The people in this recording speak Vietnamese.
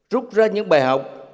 rút ra những bài học